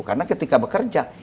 karena ketika bekerja